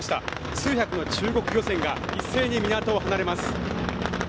数百の中国漁船が一斉に港を離れます。